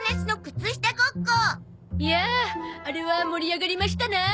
いやああれは盛り上がりましたな。